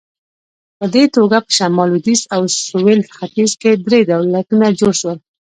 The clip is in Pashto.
په دې توګه په شمال، لوېدیځ او سویل ختیځ کې درې دولتونه جوړ شول.